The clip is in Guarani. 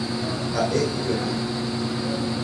Ha’e ijopy.